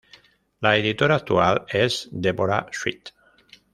La editora actual es Deborah Sweet.